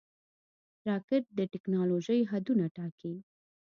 راکټ د ټېکنالوژۍ حدونه ټاکي